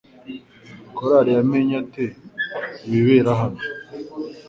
Kalori yamenye ate ibibera hano?